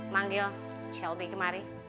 manggil shelby kemari